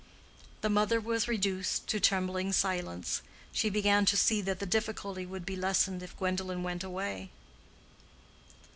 The mother was reduced to trembling silence. She began to see that the difficulty would be lessened if Gwendolen went away.